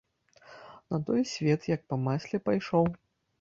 На той свет, як па масле, пайшоў.